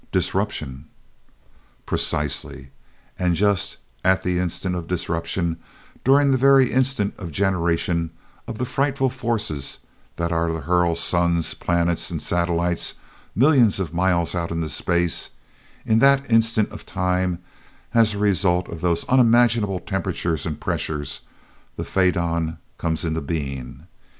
"Disruption." "Precisely. And just at the instant of disruption, during the very instant of generation of the frightful forces that are to hurl suns, planets and satellites millions of miles out into space in that instant of time, as a result of those unimaginable temperatures and pressures, the faidon comes into being.